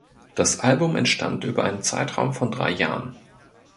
Das Album entstand über einen Zeitraum von drei Jahren.